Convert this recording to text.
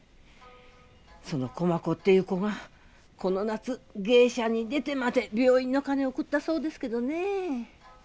その駒子っていう子がこの夏芸者に出てまで病院の金を送ったそうですけどねえ。